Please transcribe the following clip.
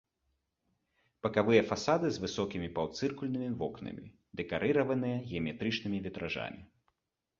Бакавыя фасады з высокімі паўцыркульнымі вокнамі, дэкарыраваныя геаметрычнымі вітражамі.